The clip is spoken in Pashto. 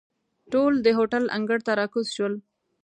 ټول د هوټل انګړ ته را کوز شول.